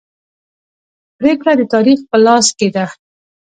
پریکړه د تاریخ په لاس کې ده.